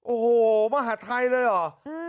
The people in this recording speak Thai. โอ้โหมหาทัยเลยหรอ